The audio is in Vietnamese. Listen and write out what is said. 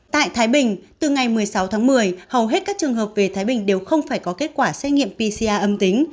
tại thái bình từ ngày một mươi sáu tháng một mươi hầu hết các trường hợp về thái bình đều không phải có kết quả xét nghiệm pcr âm tính